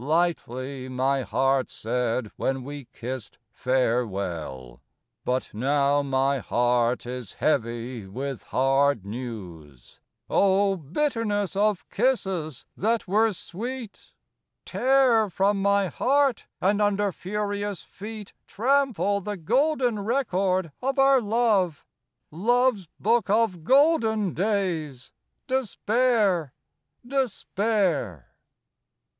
Lightly my heart said when we kissed farewell. But now my heart is heavy with hard news Oh! bitterness of kisses that were sweet! III Tear from my heart and under furious feet Trample the golden record of our love, Love's book of golden days, despair! despair!